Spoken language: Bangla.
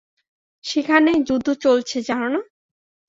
সেখানে যুদ্ধ চলছে, জানো না।